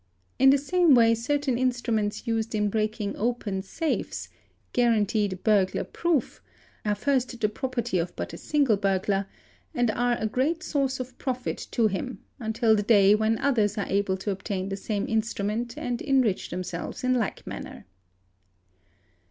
In the same way certain instruments used in breaking open safes "' guaranteed burglar proof"' are " first the property of but a single burglar, and are a great source of profit to him, until the day when others are able to obtain the same instrument and enrich themselves in like manner.